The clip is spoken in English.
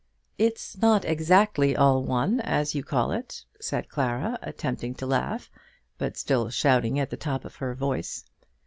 "It's not exactly all one, as you call it," said Clara, attempting to laugh, but still shouting at the top of her voice.